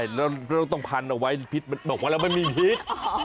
ใช่แล้วก็ต้องพันออกไว้พิษมันบอกว่าเราไม่มีพิษ